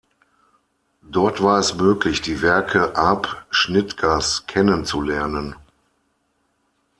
Dort war es möglich, die Werke Arp Schnitgers kennenzulernen.